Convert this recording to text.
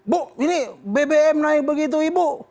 bu ini bbm naik begitu ibu